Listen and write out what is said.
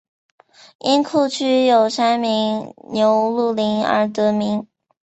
因库区有山名牛路岭而得名。